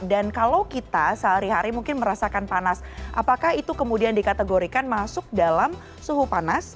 dan kalau kita sehari hari mungkin merasakan panas apakah itu kemudian dikategorikan masuk dalam suhu panas